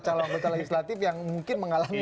calon anggota legislatif yang mungkin mengalami